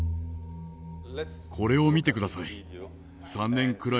これを見てください。